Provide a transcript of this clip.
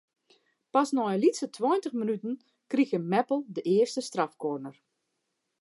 Pas nei in lytse tweintich minuten krige Meppel de earste strafkorner.